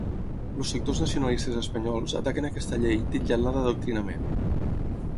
Els sectors nacionalistes espanyols ataquen aquesta llei titllant-la d'adoctrinament.